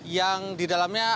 yang di dalamnya